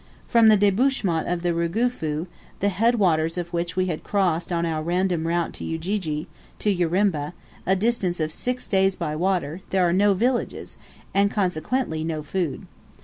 From the debouchement of the Rugufu, the headwaters of which we had crossed on our random route to Ujiji, to Urimba, a distance of six days by water, there are no villages, and consequently no food.